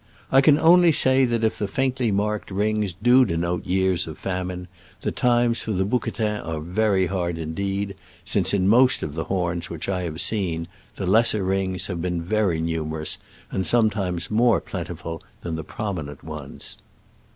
I can only say that if the faintly marked rings do denote years of famine, the times for the bouquetin are very hard indeed ; since in most of the horns which I have seen the lesser rings have been very numerous, and sometimes more plentiful than the prom inent ones.